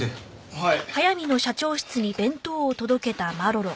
はい。